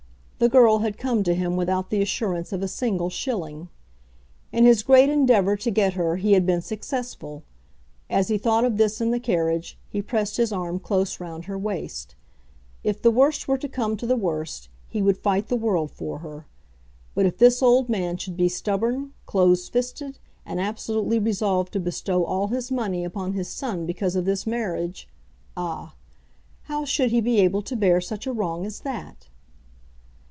The girl had come to him without the assurance of a single shilling. In his great endeavour to get her he had been successful. As he thought of this in the carriage, he pressed his arm close round her waist. If the worst were to come to the worst, he would fight the world for her. But if this old man should be stubborn, close fisted, and absolutely resolved to bestow all his money upon his son because of this marriage, ah! how should he be able to bear such a wrong as that?